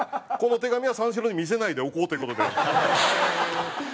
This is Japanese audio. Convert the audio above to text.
この手紙は三四郎に見せないでおこうという事で。